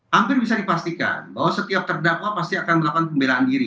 hampir bisa dipastikan bahwa setiap terdakwa pasti akan melakukan pembelaan diri